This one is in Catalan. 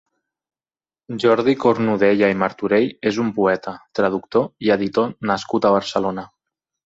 Jordi Cornudella i Martorell és un poeta, traductor i editor nascut a Barcelona.